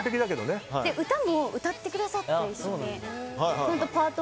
歌も歌ってくださって、一緒に。